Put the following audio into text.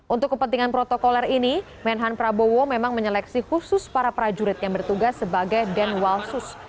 untuk kepentingan protokoler ini menhan prabowo memang menyeleksi khusus para prajurit yang bertugas sebagai den walsus